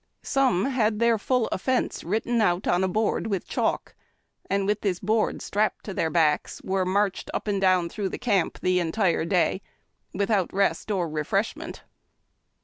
Some had their full offence Avritten out on a board with chalk, and, with this board strapped to their backs, were marched up and down through camp the entire day, without rest or refreshment.